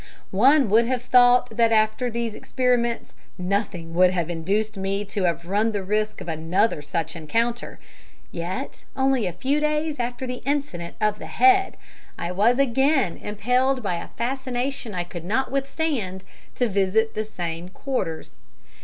"One would have thought that after these experiences nothing would have induced me to have run the risk of another such encounter, yet only a few days after the incident of the head, I was again impelled by a fascination I could not withstand to visit the same quarters.